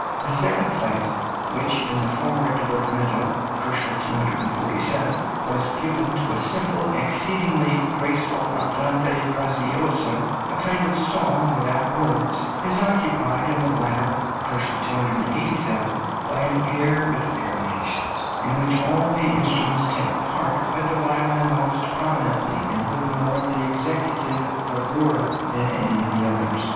The second place which in the former divertimento (247 K.) was given to a simple, exceedingly graceful andante grazioso, a kind of song without words is occupied in the latter (287 K.) by an air with variations, in which all the instruments take part, but the violin more prominently, and with more of executive bravura than any of the others.